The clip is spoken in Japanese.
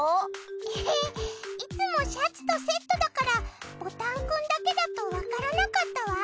エヘいつもシャツとセットだからボタンくんだけだとわからなかったわ。